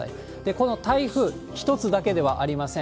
この台風、１つだけではありません。